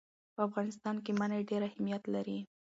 په افغانستان کې منی ډېر اهمیت لري.